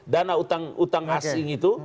dana utang asing itu